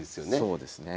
そうですね。